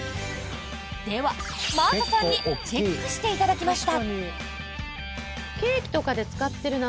では、真麻さんにチェックしていただきました。